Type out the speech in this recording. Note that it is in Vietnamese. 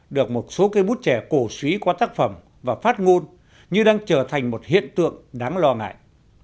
được một số cây bút trẻ cổ suý qua tác phẩm và phát ngôn như đang trở thành một hiện tượng đáng lo ngại